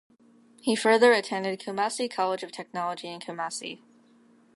He further attended Kumasi College of Technology in Kumasi.